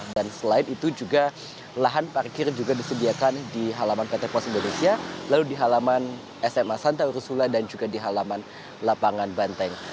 dan selain itu juga lahan parkir juga disediakan di halaman pt pos indonesia lalu di halaman sma santa ursula dan juga di halaman lapangan banteng